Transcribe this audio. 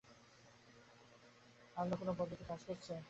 অন্য কোনো পদ্ধতি কাজ করছে।